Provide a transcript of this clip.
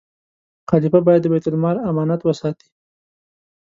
خلیفه باید د بیت المال امانت وساتي.